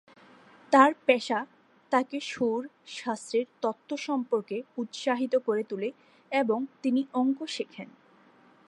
তাঁর পেশা তাকে সুর-শাস্ত্রের তত্ত্ব সম্পর্কে উৎসাহিত করে তোলে এবং তিনি অঙ্ক শেখেন।